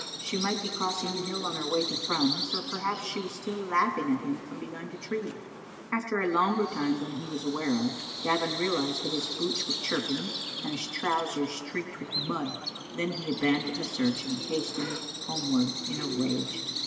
She might be crossing the hill on her way to Thrums, or perhaps she was still laughing at him from behind a tree. After a longef time than he was aware of, Gavin realised that his boots were chirping and his trousers streaked with mud. Then he abandoned the search and hastened homewards in a rage.